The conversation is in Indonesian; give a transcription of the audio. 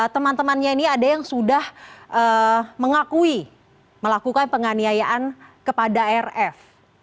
teman temannya ini ada yang sudah mengakui melakukan penganiayaan kepada rf